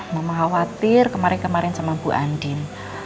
mama khawatir kemarin kemarin sama bu andin